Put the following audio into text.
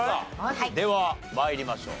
では参りましょう。